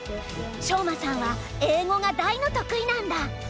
翔舞さんは英語が大の得意なんだ。